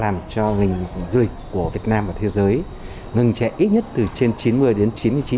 làm cho ngành du lịch của việt nam và thế giới ngừng trẻ ít nhất từ trên chín mươi đến chín mươi chín